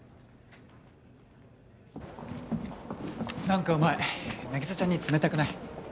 なんかお前凪沙ちゃんに冷たくない？